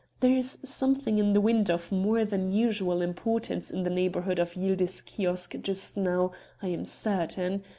There is something in the wind of more than usual importance in the neighbourhood of Yildiz Kiosk just now, I am certain.